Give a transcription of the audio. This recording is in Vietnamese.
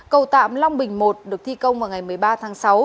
cầu tạm long bình i được thi công vào ngày một mươi ba tháng sáu